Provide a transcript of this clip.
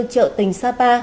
trợ tình sapa